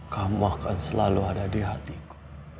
kamu akan selalu ada di hatiku